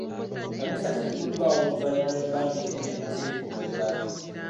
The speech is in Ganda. Kkanisa zigguddwawo oluvannyuma lw'ebbanga eddene nga ziri ku muggalo.